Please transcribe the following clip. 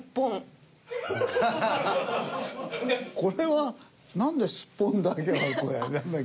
これはなんですっぽんだけなの？